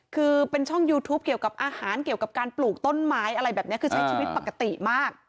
คือเป็นช่องยูทูปเกี่ยวกับอาหารเกี่ยวกับการปลูกต้นไม้อะไรแบบนี้คือใช้ชีวิตปกติมาก